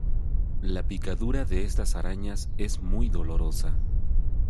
La picadura de estas arañas es muy dolorosa.